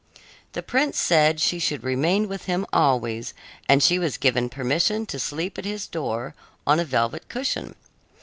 The prince said she should remain with him always, and she was given permission to sleep at his door, on a velvet cushion.